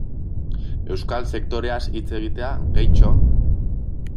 Euskal sektoreaz hitz egitea, gehitxo?